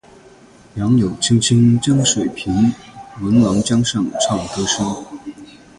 杨柳青青江水平，闻郎江上唱歌声。